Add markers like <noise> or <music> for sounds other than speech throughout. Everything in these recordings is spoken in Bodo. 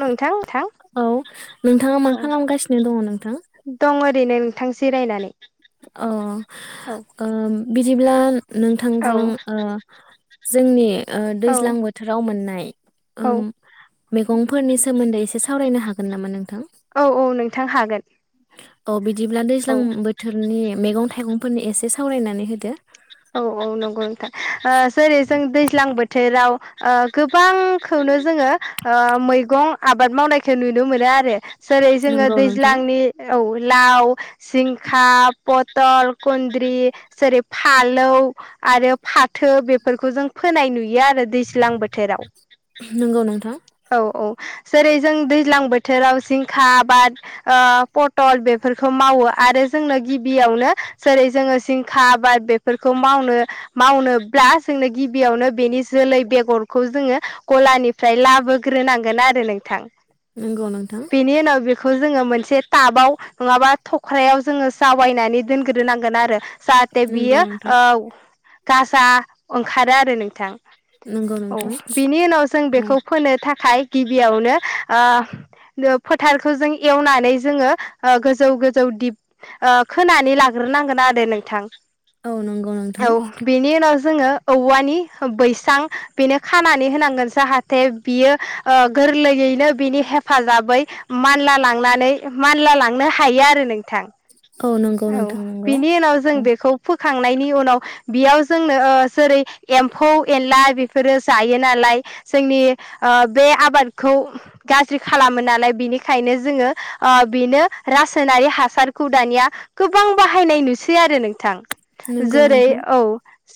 नोंथां नोंथां औ नोंथाङा मा खालामगासिनो दङ नोंथां दं ओरैनो नोंथां जिरायनानै अ औ ओ बिदिब्ला औ नोंथांजों ओ जोंनि ओ औ दैज्लां बोथोराव मोननाय औ ओम मैगंफोरनि सोमोन्दै एसे सावरायनो हागोन नामा नों औ औ नोंथां हागोन अ बि बिदिब्ला दैज्लां औ बो नि मैगं थाइगंफोरनो एसे सावरायनानै होदो औ औ नंगौ नोंथां ओ जेरै जों दैज्लां बोथोराव ओ गोबांखौनो जोङो ओ मैगं आबाद मावनायखौ नुनो मोनो आरो जेरै जोङो नंगौ नोंथां दैज्लांनि औ लाव जिंखा पथल खुन्द्रि <unintelligible> फालौ आरो फाथो बेफोरखौ जों फोनाय नुयो आरो दैज्लां बोथोराव नंगौ नोंथां औ औ जेरै जों दैज्लां बोथोराव जिंखा आबाद ओ पटल बेफोरखौ मावो आरो जोंनो गिबियावनो जेरै जोङो जिंखा आबाद बे फोरखौ मावनो मावनोब्ला जोंनो गिबियावनो बेनि जोलै बेगरखौ जोङो गलानिफ्राय लाबोग्रोनांगोन आरो नोंथां नंगौ नोंथां खौ जोङो मोनसे टाबाव नङाबा थख्रायाव जोङो जावायनानै दोनग्रोनांगोन आरो जाहाथे नंगौ बियो नोंथां औ गाजा ओंखारो आरो नोंथां नंगौ औ नोंथां बिनि उनाव जों बेखौ औ फोनो था थाखाय गिबियावनो ओ फोथारखौ जों एवनानै जोङो ओ गोजौ गोजौ दिप ओ खोनानै लाग्रोनांगोन आरो नोंथां औ नंगौ औ नोंथां बेनि उनाव जोङो औवानि बैसां बेनो खानानै होनांगोन जाहाथे बियो ओ गोरलैयैनो बिनि हेफाजाबै मानला लांनानै मानला लांनो हायो आरो नोंथां औ नंगौ नोंथां नंगौ बो खांनायनि उनाव बेयाव जोंनो जेरै एम्फौ एनला बेफोरो जायो नालाय जोंनि ओ बे आबादखौ गाज्रि खालामो नालाय बिनिखायनो जोङो ओ बेनो रासायनारि हासारखौ दानिया गोबां बाहायनाय नुसै आरो नोंथां नंगौ जेरै नोंथां औ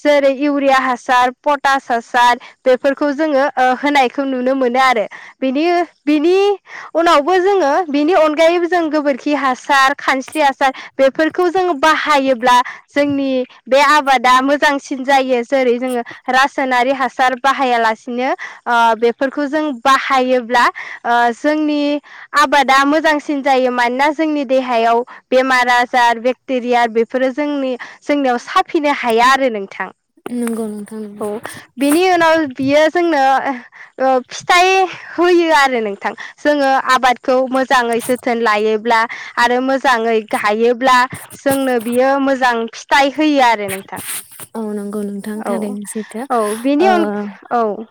जेरै इउरिया हासार पटास हासार बेफोरखौ जोङो ओ होनायखौ नुनो मोनो आरो बिनि बिनि उनावबो जोङो बिनि अनगायैबो जों गोबोरखि हासार खानस्रि आसार फोरखौ जोङो बाहायोब्ला जोंनि बे आबादा मोजांसिन जायो जेरै जोङो रासायनारि हा हासार बाहायालासिनो ओ बेफोरखौ जों बाहायोब्ला ओ जोंनि आबादा मोजांसिन जायो मानोना जोंनि देहायाव बेमार आ जार बेक्टेरिया बेफोरो जोंनि जोंनियाव साफिनो हाया आरो नोंथां नंगौ नोंथां नंगौ औ बिनि उनाव बियो जोंनो ओ फिथाइ होयो आरो नोंथां जोङो आबादखौ मोजां मोजाङै जोथोन लायोब्ला आरो मोजां मोजाङै गायो ब्ला जोंनो बियो जोंनो बियो मोजां फिथा थाय होयो आरो नोंथां <unintelligible> औ थारैनो सैथो औ बिनि ओ अनगा औ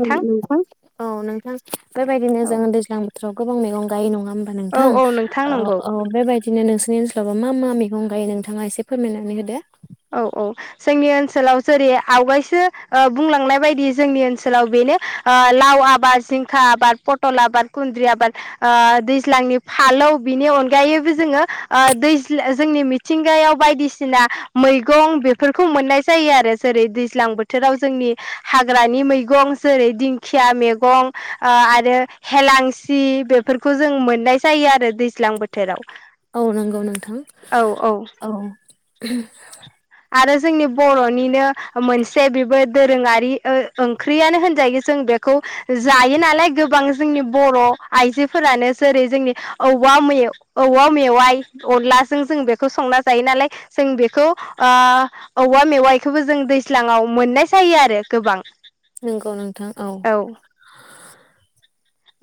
औ नोंथां औ नोंथां बेबा बायदिनो औ जोङो दैज्लां बो थोराव गोबां मैगं गायो नङा होमबा नोंथां औ औ होमबा नंगौ नोंथां ओ बेबायदिनो नोंसोरनि सोराबा मा मा मैगं गायो नोंथाङा एसे फोरमायनानै होदो औ औ जोंनि ओनसोलाव जेरै आवगायसो ओ बुंलांनाय बायदि जोंनि ओनसोलाव बेनो ओ लाव आबाद जिंखा आबाद पटल आबाद खुन्द्रि आबाद ओ दैज्लांनि फालौ बिनि अनगायैबो जोङो दैज जोंनि मिथिंगायाव बायदिसिना मैगं बेफोरखौ मोननाय जायो आरो जेरै दैज्लां बोथोराव जोंनि हाग्रानि मैगं जेरै दिंखिया मैगं ओ आरो हेेलांसि बेफोरखौ जों मोननाय जायो आरो दैज्लां बोथोराव औ नंगौ नोंथां औ आरो जोंनि बर'निनो मोनसे बेबो दोरोङारि ओंख्रियानो होनजायो जों बेखौ जायो नालाय गोबां जोंनि बर' आइजोफोरानो जेरै जोंनि औवा औवा मेवाइ अनलाजों जों बेखौ संना जायो नालाय जों बेखौ ओ औवा मेवाइखौबो जों दैज्लाङाव मोननाय जायो आरो गोबां नंगौ नोंथां औ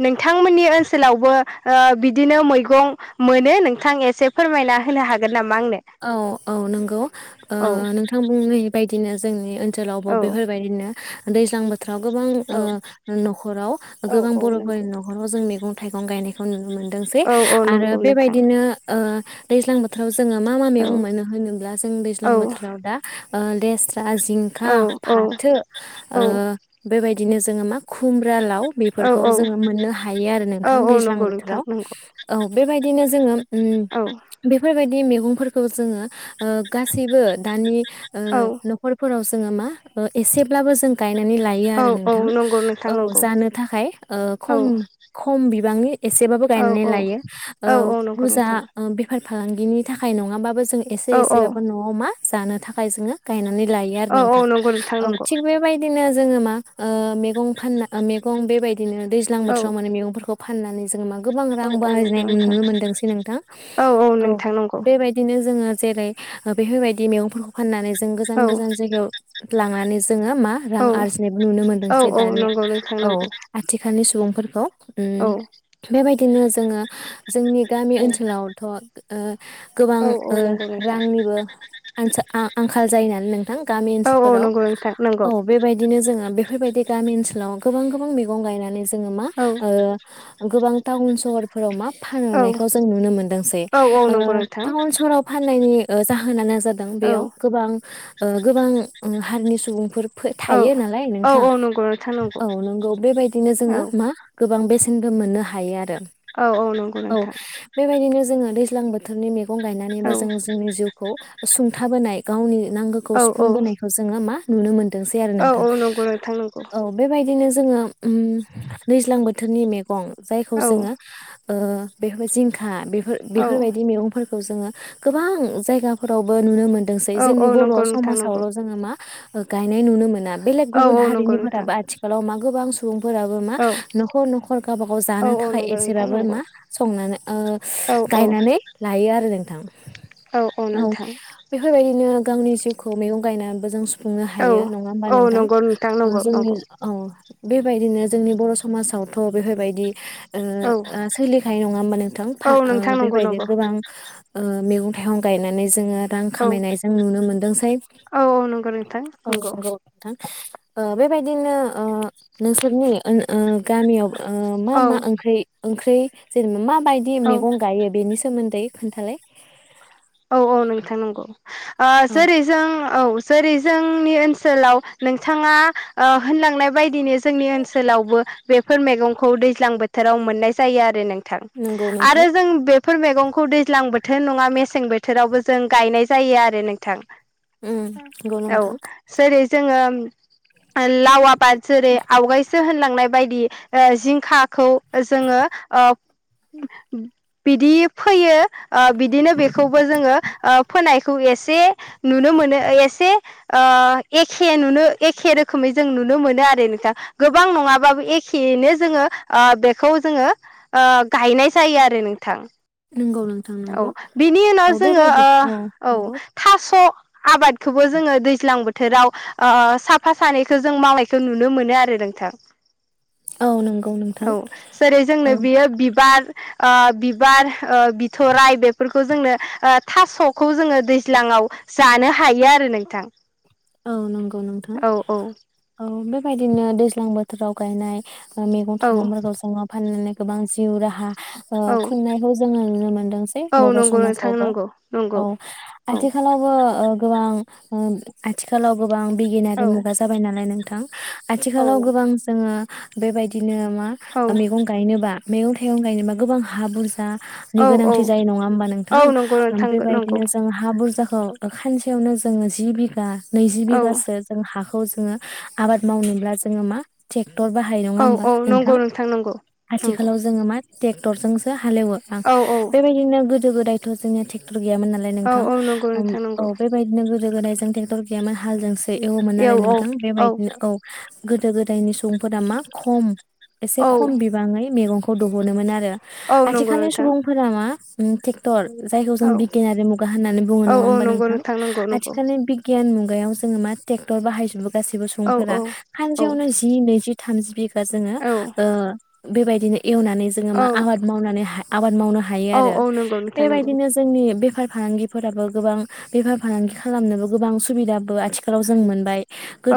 नोंथांमोननि ओनसोलावबो ओ बिदिनो मैगं मोनो नोंथां एसे फोरमायना होनो हागोन नामा आंनो औ औ नोंगौ ओ औ नोंथां बुंनाय बदिनो जोंनि ओनसोलावबो औ बेफोरबायदिनो दैज्लां बो थ्राव गोबां ओ औ न'खराव औ गोबां औ बर'फोरनि नंगौ न'खराव जों मेगं थाइगं गायनायखौ नुनो मोन दोंसै औ औ आरो नंगौ नोंथां बेबायदिनो ओ दैज्लां बोथोराव जोङो मा मा मेगं औ मोनो होनोब जों औ दैज्लां औ बोथोराव दा ओ लेस स्रा जिंखा औ फाथो ओ बेबायद बिदिनो जोङो मा खुम ब्रा लाव औ बेफोरखौ जोङो मोन्नो हायो आरो औ नोंथां औ दैज्लां नंगौ नोंथां बोथोराव नंगौ औ बेबायदिनो जोङो उम औ बेफोरबाय दि मेगं फोरखौ जोङो ओ गासैबो दानि ओ औ न'खरफोरावस जोङो मा ओ एसेब्लाबो जों गाय नानै लायो औ आरो औ नोंथां नंगौ नोंथां औ नंगौ जानो थाखाय ओ औ खम खम बि बांनि एसेबाबो औ गायनानै औ लायो ओ औ औ नंगौ बुरजा नोंथां बेफार फालांगिनि था खाय नङाबाबो जों एसे औ एसे औ बाबो न'आव मा जानो थाखाय जोङो गायना नै लायो आरो औ औ नोंथां नंगौ नोंथां औ नंगौ थिग बे बायदिनो जोङो मा ओ मेगं फान्ना ओ मेगं बेबाय दिनो दैज्लां औ बोथोराव माने मेगंफोरखौ फाननानै जोंङो मा गोबां औ रां औ नंगौ बाहायनाय नोंथां नुनो मोनदोंसै नोंथां औ बेबायदिनो जोङो जेरै बेफोरबायदि मैगंफोरखौ फाननानै जों औ गोजान गोजान जायगायाव लांनानै जोङो मा रां औ आरजिनायबो नुनो औ मोनदोंसै औ दानि नंगौ नोंथां औ नंगौ आथिखालनि सुबुं फोरखौ औ उम बेबाय दिनो जोङो जोंनि गामि ओनसोलावथ' ओ गोबां औ औ ओ नंगौ नोंथां रांनिबो आनसा ओ आंखाल जायोनालाय नों गामि औ औ ओनसोलफोराव नंगौ नोंथां नंगौ औ बेबायदिनो जोङो बे बेफोरबायदि गामि ओनसोलाव गोबां गोबां मैगं गायनानै जोङो मा औ ओ गोबां टाउन सहरफोराव मा औ फानहरनायखौ जों नुनो मोनदोंसै औ औ ओ नंगौ नोंथां टाउन सहराव फाननायनि ओ जाहोना नो जादों औ बेयाव गोबां ओ गोबां हारिनि सुबुंफोर औ थायो नालाय औ नोंथां औ नंगौ नोंथां नंगौ औ नोंगौ बेबायदिनो औ जोङो मा गोबां बेसेनबो मोननो हायो आरो औ औ नंगौ औ नोंथां बेबायदिनो जोङो दैज्लां बो थोरनि मै गं गायनानैबो औ जों जोंनि जिउखौ सुंथाबोनाय गावनि नांगौखौ औ औ सुफुंबोनायखौ जोङो मा नुनो मोनो दोंसै आरो औ नोंथां औ नंगौ नोंथां नंगौ औ बेबाय बिदिनो जोङो ओम दैज्लां बोथोरनि मे गं जायखौ औ जोङो ओ बेफोर जिंखा बे फोर औ बेफोरबायदि मैगंफोरखौ जोङो गोबां जायगाफोरावबो नुनो मोनो सै औ औ जोंनि बर' नंगौ नोंथां नंगौ समाजावल' जोङो मा ओ गाय नुनो मोना बेलेग औ गुबुन औ नंगौ हारिनि नोंथां फोराबो आथिखालाव मा गोबां सुबुं फोराबो मा औ न'खर न'खर गावबा गाव औ जानो औ थाखाय नंगौ नोंथां एसेबाबो नंगौ मा संनानै ओ औ औ गायनानै हायो आरो नोंथां औ बेफोरबायदिनो गावनि जिउखौ मैगं गायनानैबो जों सु खुंनो औ हायो नङा होमबा औ नोंथां नंगौ नोंथां ओ नंगौ जोंनि नंगौ बेबायदिनो जोंनि बर' समाजावथ' बेफोरबायदि ओ औ सोलिखायो नङा होमबा नोंथां औ नोंथां नंगौ बेबायदि नंगौ गोबां ओ मैगं थाइगं गायनानै जोङो रां औ खामायनाय जों नुनो मोनदोंसै औ औ नंगौ नोंथां औ नंगौ नोंथां ओ बेबायदिनो ओ नोंसोरनि गामियाव ओ मा औ मा ओंख्रि ओंख्रि खारै जेनेबा मा बायदि औ मैगं गायो बेनि सोमोन्दै खोन्थालाय औ औ नोंथां नंगौ आ औ जेरै जों औ जेरै जोंनि ओनसोलाव नोंथाङा ओ होनलांनाय बायदिनो जोंनि ओनसोलावबो बेफोर मैगंखौ दैज्लां बोथोराव मोननाय जायो आरो नों थां‌ नंगौ आरो नोंथां जों बेफोर फोर मैगंखौ दैज्लां बोथोर नङा मेसें बोथोर थोरावबो जों गायनाय जायो आरो नोंथां उम नंगौ औ नोंथां जेरै जोङो लावा बाद जेरै आवगायसो होन सनाय बायदि ओ जिंखाखौ जोङो बिदि फैयो ओ बिदिनो बेखौ जोङो ओ फोनायखौ एसे नुनो मोनो एसे ओ एखे नुनो एखे रोखोमै जों नुनो मोनो आरो नोंथां गोबां नङाबाबो एखेयैनो जोङो बेखौ जोङो ओ गायनाय जायो आरो नोंथां नंगौ नोंथां औ नंगौ बिनि उनाव औ जोङो बेबायदि ओ औ नंगौ थास' आबादखौबो जोङो दैज्लां बोथोराव ओ साफा सानैखौ जों मावनायखौ नुनो मोनो आरो नोंथां औ नंगौ नोंथां औ जेरै औ जोंनो बेयो बिबार आ बिबार ओ थराइ बेफोरखौ जोंनो ओ थास'खौ जोङो दैज्लाङाव जानो हायो आरो नोंथां औ नंगौ नोंथां औ औ औ बेबायदिनो दैज्लां बोथोर थोराव गायनाय मैगं औ थाइगंफोरखौ जोङो फाननानै गोबां जिउ राहा ओ औ खुंनायखौ जोङो नुनो मोनदोंसै औ बर' नंगौ नोंथां समाजावबो नंगौ नंगौ औ औ आथिखालावबो ओ गोबां ओ आथिखालावबो गोबां बिगियानारि औ मुगा जाबायालाय नों थां आथिखालाव गोबां जोङो बेबायदि बिदिनो मा औ मैगं गायनोबा मैगं थाइगं गायनोबा गोबां हा बुरजा नि औ औ गोनांथि जायो नङा होमबा औ नोंथां नंगौ नोंथां नंगौ बेबायदिनो जों हा बुरजाखौ औ खानसेयावनो जोङो जि बि गा नैजि औ बिघासो जों हाखौ जोङो आबाद मावनोबा जोङो मा ट्रेक्टर बाहायो नङा औ होमबा औ नोंथां नंगौ नंगौ नंगौ आथिखालाव जोङो मा ट्रेक टरजोंसो हालेवो आं औ औ बेबायदिनो गो गो दायथ' जोङो ट्रेक्टर गैयामोन नालाय औ नोंथां औ नंगौ नोंथां नंगौ औ बेबायदिनो गोदो गोदाय <unintelligible> टर गैयामोन हालजोंसो एवोमोन औ आरो औ नोंथां बेबायदिनो औ गोदो गोदायनि सुबुंफोरा मा खम एसे औ खम बिबाङै मैगं <unintelligible> आरो औ नंगौ आथिखालनि नोंथां सुबुंफोरा मा ओम टेक्टर जायखौ जों औ बिगियानारि मुगा होननानै बुङो औ नङा औ होमबा नंगौ नोंथां नंगौ नंगौ आथिखालनि बि मुगायाव जों मा ट्रेक्टर बाहाय जोबो गासैबो औ सुबुंफोरा औ औ सानसेयावनो जि नैजि थामजि बिघा बा जोङो औ ओ बेबायदिनो एवनानै जोङो मा औ आबाद मावनानै आबाद मावनो हायो औ आरो औ नंगौ नोंथां नंगौ बेबायदिनो जोंनि बे बेफार फालांगिफोराबो गोबां बेफार फालांगि खालामनोबो गोबां सुबिदाबो आथिखालाव जों मोनबाय।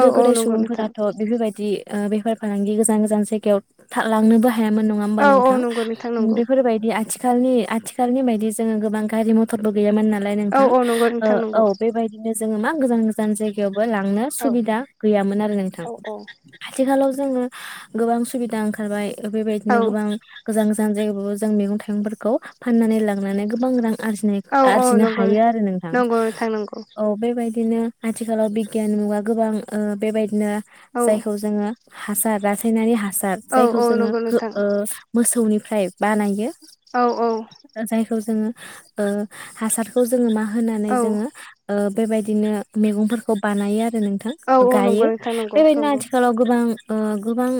औ औ गोदाय नंगौ नोंथां सुबुंफोराथ' बेफोरबायदि ओ बेफार फालांगि गोजान गोजान जायगायाव था लांनोबो हायो। हायामोन नङा होमबा औ औ नोंथां नंगौ नोंथां नंगौ बेफोरबायदि आथि आथिखालनि आथिखालनि बायदि जोङो गोबां गारि मथरबो गैयामोन ना। लाय औ नोंथां औ नंगौ ओ नोंथां नंगौ औ बेबाय जोङो मा गोजान गोजान जायगायाव लांनो औ सुबिदा गैयोन आरो नोंथां औ आथिलाव जों जोङो गोबां सुबिदा ओंखारबाय औ बेबायदिनो गोबां गोजान गो जान-जायगा बाबो जों मैगं थाइगंफोरखौ फाननानै गोबां रां आरजिनाय औ औ आरजिनो नंगौ हायो आरो नोंथां। नंगौ नोंथां नंगौ बेबायदिनो आथिखालाव बिगियान मुगा गोबां ओ बेबायदिनो। औ जायखौ जोङो हासार रासायनारि हासार औ जायखौ औ जोङो नंगौ नोंथां ओ मोसा गौनिफ्राय बानायो। औ औ। जायखौ जोङो ओ हासारखौ जोङो मा होनानै औ जोङो ओ बेबायदिनो मैगंफोरखौ बानायो आरो। आरो नोंथां औ औ गायो नंगौ नोंथां नंगौ बेबायदिनो नंगौ आथिखालाव गोबां ओ गोबां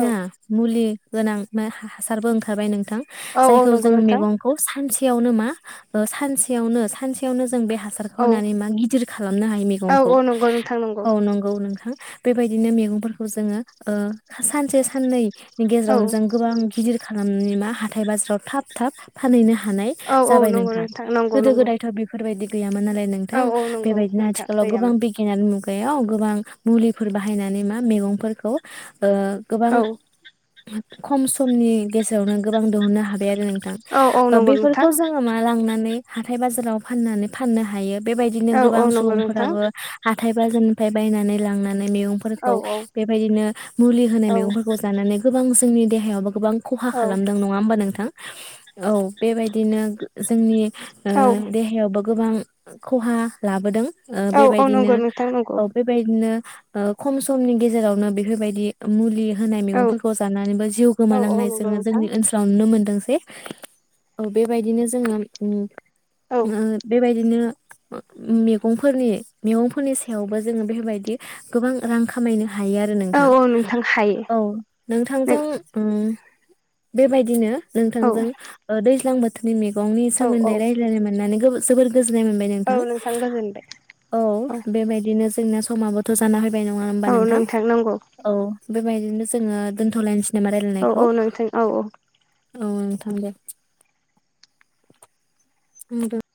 औ मुलि गोनां मो हासारबो ओंखारबाय नों थां औ औ जायखौ नंगौ जों नोंथां मेगंखौ सानसे आवनो मा सानसेयावनो सनसेयावनो बे हासार औ खौनानै मा गिदिर खालामनो हायो औ मेगंखौ औ नंगौ नोंथां औ नंगौ नोंथां। बेबायदिनो मैगंफोरखौ जोङो ओ सानसे साननै औ गेजेराव नों गोबां गिदिर खालामनि मा हाथाय बाजाराव थाब थाब फानहैनो हा हानाय औ औ जाबाय नंगौ नोंथां नंगौ गोदो नंगौ गोदायथ' बेफोरबायदि गैयामोन नालाय औ नोंथां औ नंगौ बेबायदिनो नोंथां आथिखालाव गोबां गैयामोन बिगियानानो बेयाव गोबां मुलिफोर बाहायनानै मा मेगंफोरखौ ओ गोबां औ खम समनि गेजेरावनों गोबां दिहुननो हाबाय आरो नों थां औ औ ओ नंगौ नोंथां बेफोरखौ जोङो मा लांनानै हाथाय बाजाराव फाननानै फाननो हायो। बेबायदिनो औ औ गोबां नंगौ नोंथां सुबुंफोराबो हाथाय बाजारनिफ्राय बायनानै लांनानै औ मेगंफोरखौ औ बेबायदिनो मुलि होनाय मेगं औ फोरखौ जानानै गोबां जोंनि देहायाव बा गोबां खहा खालामदों नङा होमबा नोंथां औ बेबायदिनो गो जोंनि ओ औ देहायावबो गोबां खहा लाबोदों ओ औ औ बेबायदिनो नंगौ नोंथां नंगौ औ बेबायदिनो ओ खम समनि गेजेरावनो बेफोरबायदि मुलि होनाय औ मेगंफोरखौ जानानैबो जिउ औ औ गोमानांनाय नंगौ जोङो नोंथां जोंनि ओनसोलाव नुनो मोनदों <unintelligible> बेबायदिनो जोङो उम औ बिराद बायदिनोनि मेगंफोरनि मगंफोरनि सायावबो जोङो बेफोरबायदि गोबां रां खामायनो हायो आरो औ नोंथां औ नोंथां हायो औ नों नोंथांजों उम बेबायदिनो औ नोंथांजों ओ दैज्लां बो <unintelligible> नि औ सोमोन्दै औ रायलायनो मोननानै जोबोर गोजोननाय मोनबाय औ नोंथां गोजोनबाय औ बेबायदिनो जोंनिया समाबोथ' जाना हाय बाय नङा होमबा औ नोंथां नंगौ औ बेबायदिनो जोङो दोनथ'लायनस औ औ नोंथों औ औ औ नोंथां दे <unintelligible>